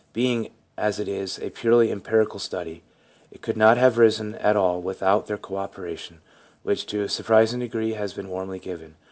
Being, as it is, a purely empirical study, it could not have arisen at all without their co operation, which, to a surprising degree, has been warmly given.